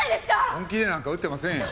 本気でなんか打ってませんよ。